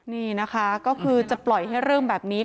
นี่นะคะก็คือจะปล่อยให้เรื่องแบบนี้